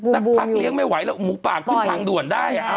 สักพักเลี้ยงไม่ไหวแล้วหมูปากขึ้นทางด่วนได้